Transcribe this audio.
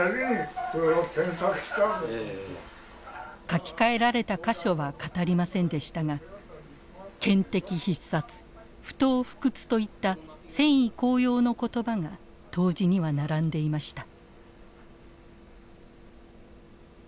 書き換えられた箇所は語りませんでしたが見敵必殺不撓不屈といった戦意高揚の言葉が答辞には並んでいました。